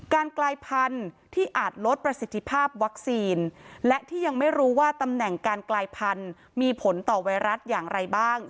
กลายพันธุ์ที่อาจลดประสิทธิภาพวัคซีนและที่ยังไม่รู้ว่าตำแหน่งการกลายพันธุ์มีผลต่อไวรัสอย่างไรบ้าง